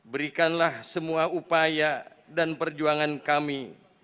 berikanlah semua upaya dan perjuangan kami